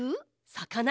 さかな？